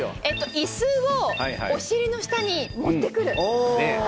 イスをお尻の下に持ってくるあ